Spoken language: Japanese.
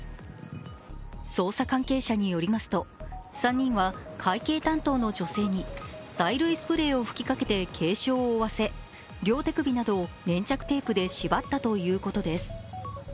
捜査関係者によりますと、３人は会計担当の女性に催涙スプレーを吹きかけて軽傷を負わせ、両手首などを粘着テープで縛ったということです。